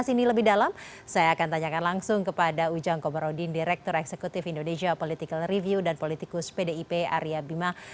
selamat malam mbak caca mbak arya bima